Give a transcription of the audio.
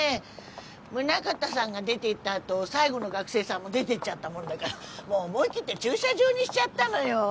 宗形さんが出ていったあと最後の学生さんも出ていっちゃったもんだからもう思い切って駐車場にしちゃったのよ。